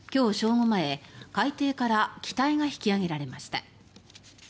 午前海底から機体が引き揚げられました。